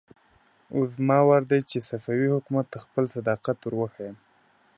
اوس زما وار دی چې صفوي حکومت ته خپل صداقت ور وښيم.